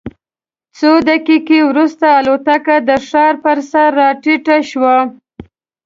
څو دقیقې وروسته الوتکه د ښار پر سر راټیټه شوه.